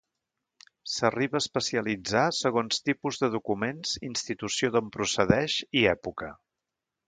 S'arriba a especialitzar segons tipus de documents, institució d'on procedeix, i època.